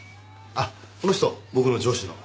あっこの人僕の上司の。